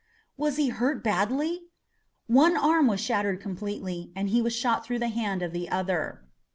"Was he hurt badly?" "One arm was shattered completely, and he was shot through the hand of the other."